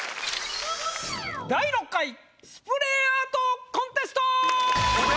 第６回スプレーアートコンテスト！